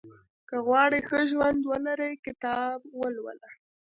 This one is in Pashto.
• که غواړې ښه ژوند ولرې، کتاب ولوله.